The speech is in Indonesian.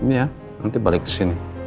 iya nanti balik kesini